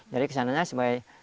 jadi kesanannya sebagai